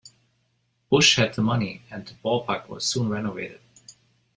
Busch had the money, and the ballpark was soon renovated.